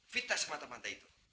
fitnah semata mata itu